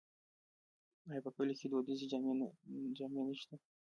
آیا په کلیو کې دودیزې جامې نشته؟